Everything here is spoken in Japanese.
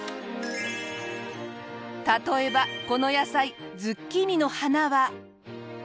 例えばこの野菜ズッキーニの花は。